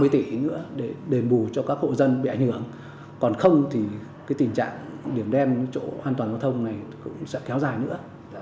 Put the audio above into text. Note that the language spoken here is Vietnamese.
ba mươi tỷ nữa để đền bù cho các hộ dân bị ảnh hưởng còn không thì cái tình trạng điểm đen chỗ an toàn giao thông này cũng sẽ kéo dài nữa